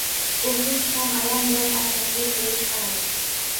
O’kinch ham alam bilan orqasiga burilib qaradi